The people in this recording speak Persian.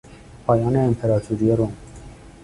پایان امپراطوری روم